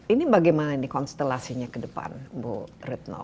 ini bagaimana konstelasinya ke depan bu retno